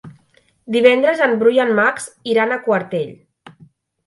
Divendres en Bru i en Max iran a Quartell.